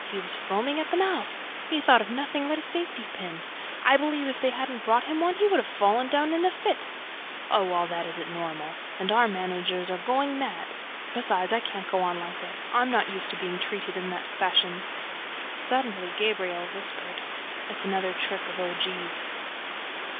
He was foaming at the mouth. He thought of nothing but his safety pin. I believe, if they hadn't brought him one on the spot, he would have fallen down in a fit! ... Oh, all this isn't natural; and our managers are going mad! ... Besides, it can't go on like this! I'm not used to being treated in that fashion!" Suddenly Gabriel whispered: "It's another trick of O. G.'s."